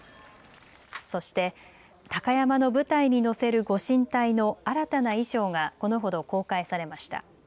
そして、鷹山の舞台にのせるご神体の新たな衣装がこのほど公開されました。